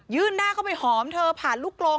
หน้าเข้าไปหอมเธอผ่านลูกกลม